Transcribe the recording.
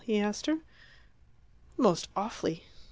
he asked her. "Most awfully."